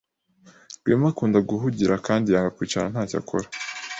Rwema akunda guhugira kandi yanga kwicara ntacyo akora.